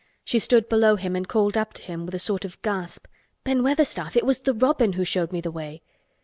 She stood below him and called up to him with a sort of gasp. "Ben Weatherstaff, it was the robin who showed me the way!"